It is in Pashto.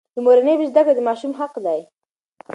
د مورنۍ ژبې زده کړه د ماشوم حق دی.